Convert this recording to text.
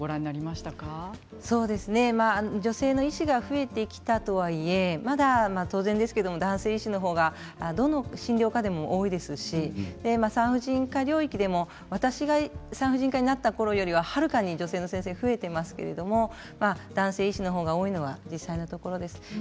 女性の医師が増えてきたとはいえまだ当然ですけど男性医師の方がどの診療科でも多いですし産婦人科領域でも私が産婦人科医になった時よりははるかに女性の先生は増えていますけど男性医師の方が多いのは実際のところです。